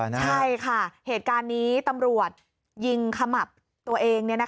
ใช่ค่ะเหตุการณ์นี้ตำรวจยิงขมับตัวเอง